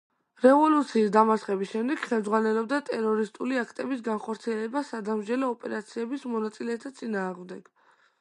რევოლუციის დამარცხების შემდეგ ხელმძღვანელობდა ტერორისტული აქტების განხორციელებას სადამსჯელო ოპერაციების მონაწილეთა წინააღმდეგ.